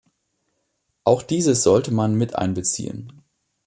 Auch dieses sollte man miteinbeziehen.